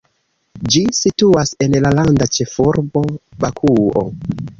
Ĝi situas en la landa ĉefurbo, Bakuo.